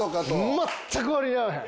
全く割に合わへん。